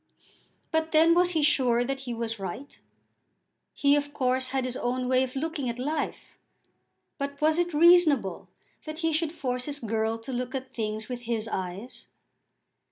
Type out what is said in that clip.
But then was he sure that he was right? He of course had his own way of looking at life, but was it reasonable that he should force his girl to look at things with his eyes?